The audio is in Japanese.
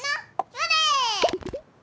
それ！